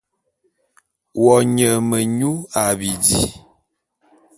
Wo nye menyu a bidi.